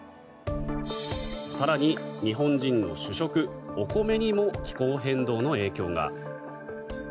更に、日本人の主食、お米にも気候変動の影響が。